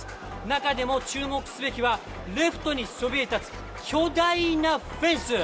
中でも注目すべきは、レフトにそびえたつ巨大なフェンス。